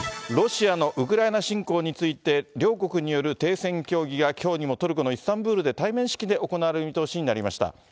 ロシアのウクライナ侵攻について、両国による停戦協議がきょうにもトルコのイスタンブールで対面式で行われる見通しになりました。